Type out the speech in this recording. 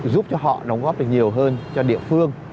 giúp cho họ đóng góp được nhiều hơn cho địa phương